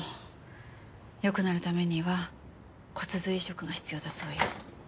よくなるためには骨髄移植が必要だそうよ。